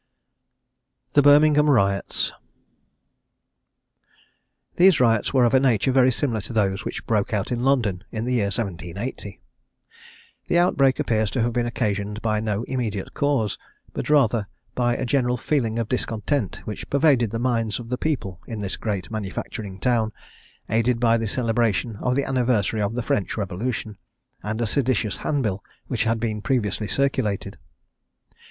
THE BIRMINGHAM RIOTS. These riots were of a nature very similar to those which broke out in London in the year 1780. The outbreak appears to have been occasioned by no immediate cause, but rather by a general feeling of discontent which pervaded the minds of the people in this great manufacturing town, aided by the celebration of the anniversary of the French Revolution, and a seditious hand bill, which had been previously circulated.